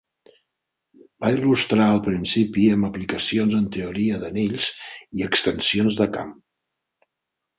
Va il·lustrar el principi amb aplicacions en teoria d'anells i extensions de camp.